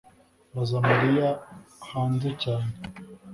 baza mariya hanze cyane